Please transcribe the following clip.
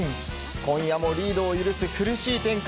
今夜もリードを許す苦しい展開。